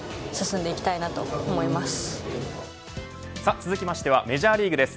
続きましてはメジャーリーグです。